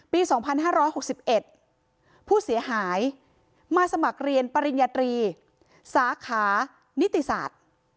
ปี๒๕๖๑ผู้เสียหายมาสมัครเรียนปริญญาตรีสาขานิติศาสตร์